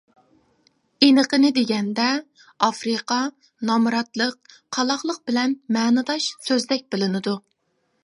ئېنىقىنى دېگەندە، ئافرىقا نامراتلىق، قالاقلىق بىلەن مەنىداش سۆزدەك بىلىنىدۇ.